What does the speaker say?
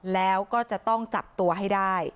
แล้วก็จะต้องจับตัวให้ได้